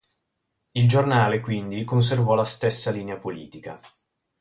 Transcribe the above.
Il giornale, quindi, conservò la stessa linea politica.